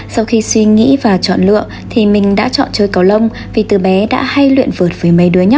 sau khi suy nghĩ và chọn lựa thì mình đã chọn chơi cầu lông vì từ bé đã hay luyện vượt với mấy đứa nhỏ